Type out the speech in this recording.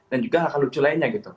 dan juga hal hal lucu lainnya gitu